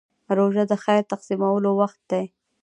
روژه د خیر تقسیمولو وخت دی.